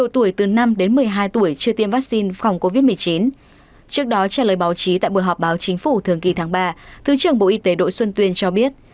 trước đó trả lời báo chí tại buổi họp báo chính phủ thường kỳ tháng ba thứ trưởng bộ y tế đỗ xuân tuyên cho biết